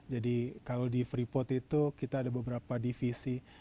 jadi kalau di freeport itu kita ada beberapa divisi